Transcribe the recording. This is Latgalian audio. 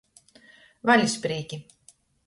Valis prīki.